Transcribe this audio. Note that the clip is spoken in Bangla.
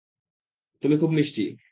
তুমি খুব মিষ্টি।